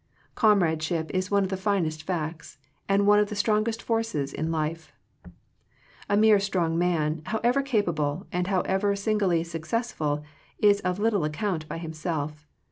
Comradeship is one of the finest facts, and one of the strongest forces in life. A mere strong man, however capable, and however singly successful, is of little ac count by himself.